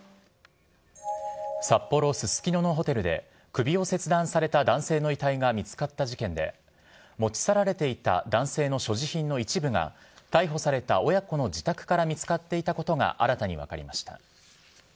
札幌・ススキノのホテルで首を切断された男性の遺体が見つかった事件で、持ち去られていた男性の所持品の一部が逮捕された親子の自宅から見つかっていたことが新たに分かりました。